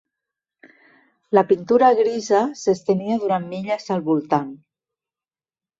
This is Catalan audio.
La pintura grisa s'estenia durant milles al voltant.